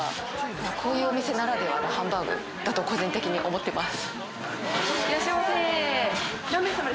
こういうお店ならではのハンバーグだと個人的に思ってます。